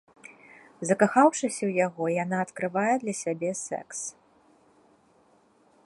Закахаўшыся ў яго, яна адкрывае для сябе секс.